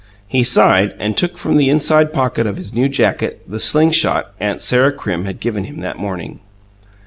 He sighed, and took from the inside pocket of his new jacket the "sling shot" aunt Sarah Crim had given him that morning.